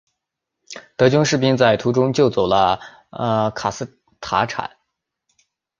德军士兵在途中救走了科斯坦察。